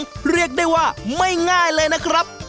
อัลบัตตาสมุนไพรบ้านดงบัง